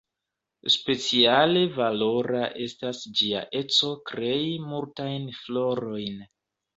Speciale valora estas ĝia eco krei multajn florojn.